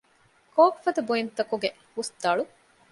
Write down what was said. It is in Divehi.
ކޯކުފަދަ ބުއިންތަކުގެ ހުސްދަޅު